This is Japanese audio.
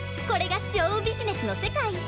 これがショウビジネスの世界。